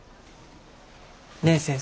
ねえ先生。